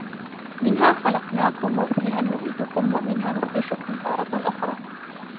منها خلقناكم وفيها نعيدكم ومنها نخرجكم تارة أخرى